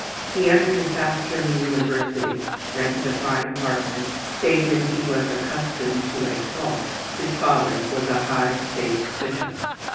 He entered a South German university, rented a fine apartment, stated he was accustomed to a Schloss, his father was a high state official.